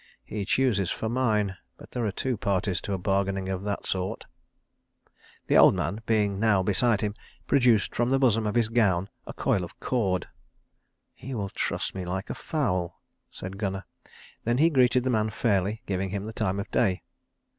"He chooses for mine, but there are two parties to a bargaining of that sort." The old man, being now beside him, produced from the bosom of his gown a coil of cord. "He will truss me like a fowl," said Gunnar; then he greeted the man fairly, giving him the time of day.